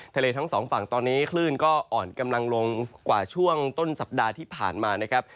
ทั้งสองฝั่งตอนนี้คลื่นก็อ่อนกำลังลงกว่าช่วงต้นสัปดาห์ที่ผ่านมานะครับ